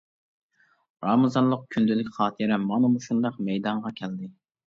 رامىزانلىق كۈندىلىك خاتىرەم مانا مۇشۇنداق مەيدانغا كەلدى.